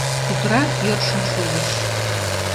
Тӱтыра йӧршын шулыш.